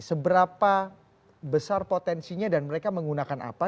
seberapa besar potensinya dan mereka menggunakan apa